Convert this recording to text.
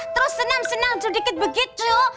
terus senam senam sedikit begitu